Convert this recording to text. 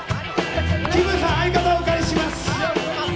きむさん、相方お借りします。